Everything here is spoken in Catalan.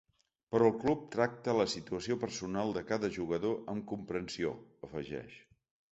“Però el club tracta la situació personal de cada jugador amb comprensió”, afegeix.